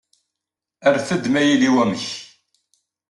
Rret-d ma yili wamek.